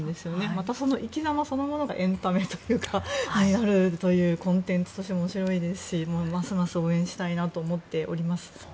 また、その生き様そのものがエンタメというかコンテンツとしても面白いですしますます応援したいなと思っております。